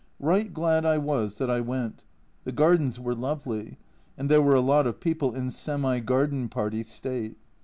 Right glad I was that I went the gardens were lovely, and there were a lot of people in semi garden party state.